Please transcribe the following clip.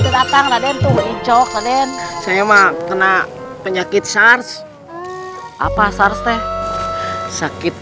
datang raden tuh mencok raden saya mah kena penyakit sars apa sars teh sakit